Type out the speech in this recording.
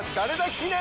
記念！